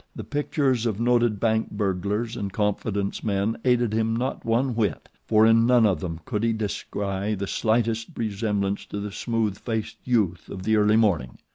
The pictures of noted bank burglars and confidence men aided him not one whit, for in none of them could he descry the slightest resemblance to the smooth faced youth of the early morning.